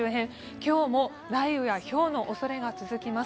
今日も雷雨やひょうのおそれが続きます。